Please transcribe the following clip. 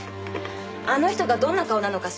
あの人がどんな顔なのか知らないけど